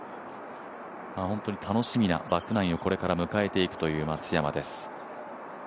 本当に楽しみなバックナインをこれから迎えていくという松山です。